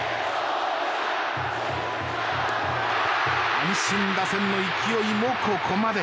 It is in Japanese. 阪神打線の勢いもここまで。